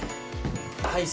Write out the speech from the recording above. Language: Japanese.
はい。